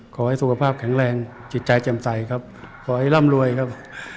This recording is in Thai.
ขอให้สุขภาพแข็งแรงจิตใจแจ่มใสครับขอให้ร่ำรวยครับ